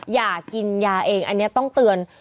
อย่ากินยาเองอันนี้ต้องเตือน